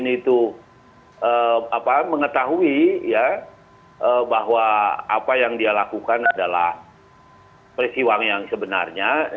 ariefin itu mengetahui ya bahwa apa yang dia lakukan adalah persiwang yang sebenarnya